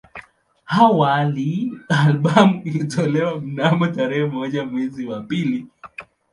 Awali albamu ilitolewa mnamo tarehe moja mwezi wa pili